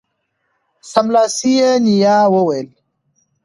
سملاسي یې نیا وویل